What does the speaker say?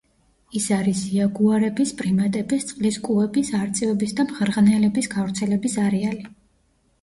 ის არის იაგუარების, პრიმატების, წყლის კუების, არწივების და მღრღნელების გავრცელების არეალი.